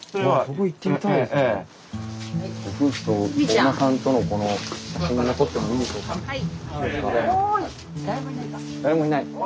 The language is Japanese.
はい。